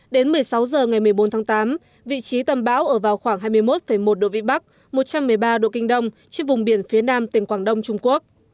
đến một mươi sáu h ngày một mươi bốn tháng tám vị trí tâm bão ở vào khoảng hai mươi một một độ vĩ bắc một trăm một mươi ba độ kinh đông trên vùng biển phía nam tỉnh quảng đông trung quốc